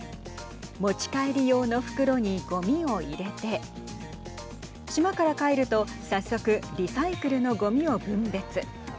持ち帰り用の袋にごみを入れて島から帰ると早速、リサイクルのごみを分別。